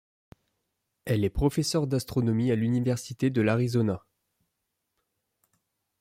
Elle est professeure d'astronomie à l'université de l'Arizona.